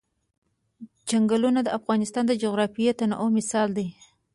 چنګلونه د افغانستان د جغرافیوي تنوع مثال دی.